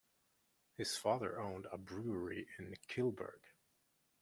His father owned a brewery in Kyllburg.